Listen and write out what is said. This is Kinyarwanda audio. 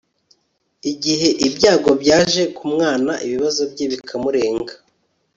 igihe ibyago byaje kumwana, ibibazo bye bikamurenga